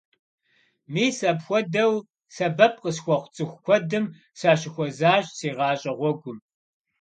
Мис апхуэдэу сэбэп къысхуэхъу цӀыху куэдым сащыхуэзащ си гъащӀэ гъуэгум.